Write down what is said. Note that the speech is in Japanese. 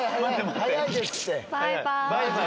早いですって！